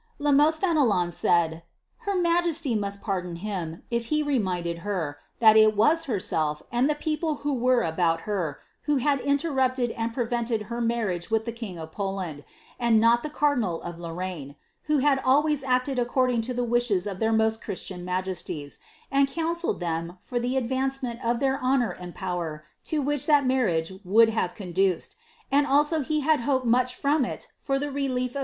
La Mothe Fenelon said, "her majesty must pardon him, if he re minded her, that it was herself, and the people who were about her, who had interrupted and prevented her marriage with the king of Poland, and not tlie cardinal of Lorraine, who had always acted according to the winhes of their most Christian majesties, and counselled them for the advancement of their honour and power to which that marriage would oave conduced, and also he had hoped much from it for the relief of " HRi ted's History of Kent.